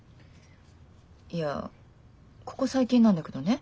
いやここ最近なんだけどね